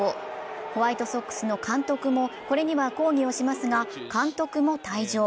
ホワイトソックスの監督も、これには抗議をしますが監督も退場。